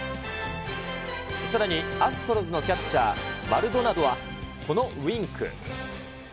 さらに、アストロズのキャッチャー、マルドナドからはこのウインク。